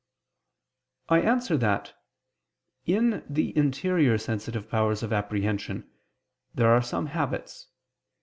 I answer that, In the interior sensitive powers of apprehension there are some habits.